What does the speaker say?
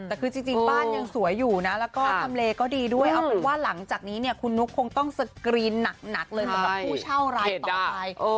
แต่คือจริงบ้านยังสวยอยู่นะแล้วก็ทำเลก็ดีด้วยเอาเป็นว่าหลังจากนี้เนี่ยคุณนุ๊กคงต้องสกรีนหนักเลยสำหรับผู้เช่ารายต่อไป